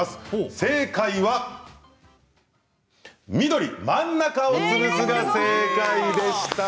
正解は緑・真ん中を潰すが正解でした。